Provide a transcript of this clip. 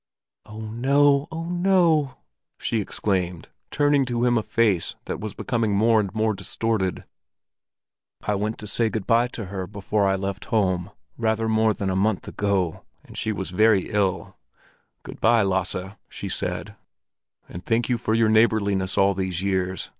"Oh no! Oh no!" she exclaimed, turning to him a face that was becoming more and more distorted. "I went to say good bye to her before I left home rather more than a month ago, and she was very ill. 'Good bye, Lasse,' she said, 'and thank you for your neighborliness all these years.